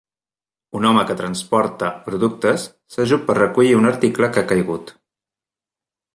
Un home que transporta productes s'ajup per recollir un article que ha caigut.